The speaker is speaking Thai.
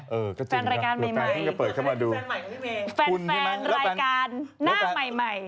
เออก็จริงนะตรงกลางขึ้นก็เปิดเข้ามาดูแฟนรายการใหม่คุณนี่มั้งแล้วแฟนแฟนแฟนรายการหน้าใหม่